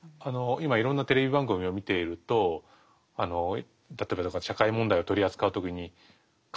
今いろんなテレビ番組を見ていると例えば社会問題を取り扱う時に箇条書きにしますよね。